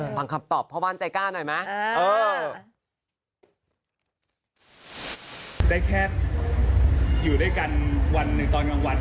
ฟังคำตอบเพราะว่าบ้านใจกล้าหน่อยนะ